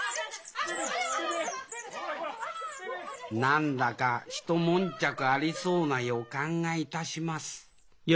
何だか一悶着ありそうな予感がいたします